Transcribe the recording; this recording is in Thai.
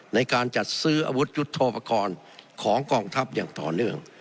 ในการจัดซื้ออาวุธยุทธโปรกรณ์ของกองทัพอย่างต่อเนื่อง